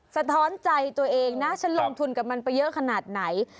สะท้อนใจตัวเองนะฉันลงทุนกับมันไปเยอะขนาดไหน